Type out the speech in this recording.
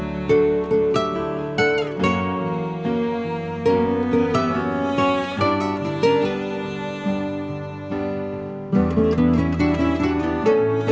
aku gak akan pergi kemana mana mas